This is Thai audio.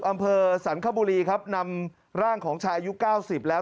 อำเภอสรรคบุรีครับนำร่างของชายอายุเก้าสิบแล้ว